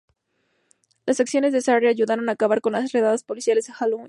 Las acciones de Sarria ayudaron a acabar con las redadas policiales de Halloween.